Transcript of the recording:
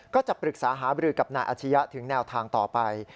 ก็จะปรึกษาหาบรือกับนายอาชียะถึงแนวทางต่อไป